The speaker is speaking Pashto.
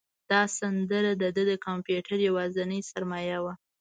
دا سندره د ده د کمپیوټر یوازینۍ سرمایه وه.